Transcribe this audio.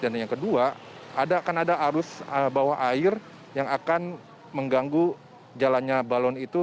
dan yang kedua akan ada arus bawah air yang akan mengganggu jalannya balon itu